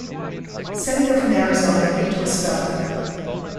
Senator from Arizona into a speller.